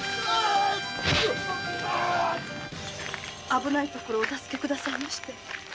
危ないところをお助けくださいまして。